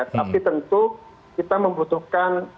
tapi tentu kita membutuhkan